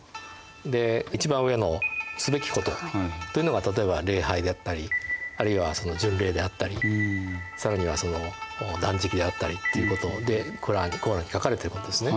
で一番上の「すべきこと」というのが例えば礼拝であったりあるいは巡礼であったり更には断食であったりっていうことで「コーラン」に書かれてることですね。